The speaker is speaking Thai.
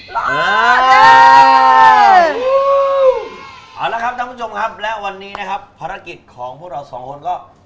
เอาละครับท่านผู้ชมครับและวันนี้นะครับภารกิจของพวกเราสองคนก็